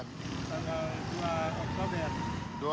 tanggal dua oktober